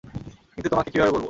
কিন্তু তোমাকে কিভাবে বলবো?